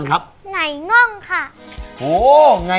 ขอบคุณค่ะ